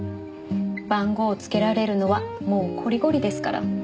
番号をつけられるのはもうこりごりですから。